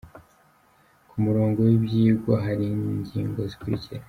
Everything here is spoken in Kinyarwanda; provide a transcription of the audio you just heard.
Ku murongo w’ibyigwa hari ingingo zikurikira :